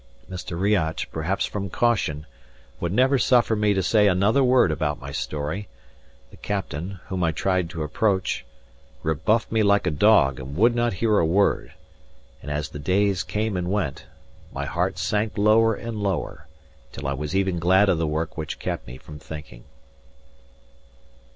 Mr. Riach, perhaps from caution, would never suffer me to say another word about my story; the captain, whom I tried to approach, rebuffed me like a dog and would not hear a word; and as the days came and went, my heart sank lower and lower, till I was even glad of the work which kept me from thinking.